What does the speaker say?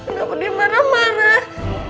nggak boleh marah marah